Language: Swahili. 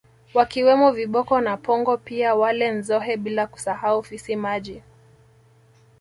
Wakiwemo Viboko na Pongo pia wale Nzohe bila kusahau Fisi maji